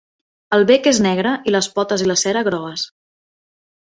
El bec és negre i les potes i la cera grogues.